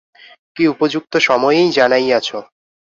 কী উপযুক্ত সময়েই জানাইয়াছ!